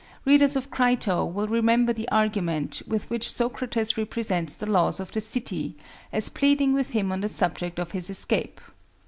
Readers of Crito will remember the argument with which Socrates represents the laws of the city as pleading with him on the subject of his escape.